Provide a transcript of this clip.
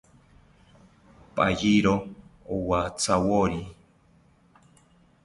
Payiro owantyawori